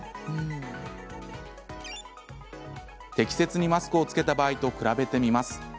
適切にマスクを着けた場合と比べてみます。